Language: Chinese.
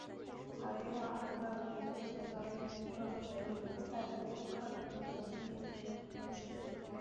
乔伊拥有哈佛教育研究所教育硕士学位与赛布鲁克研究所心理学博士学位。